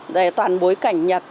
để toàn bối cảnh nhật